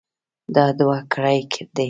دا دوه ګړۍ دي.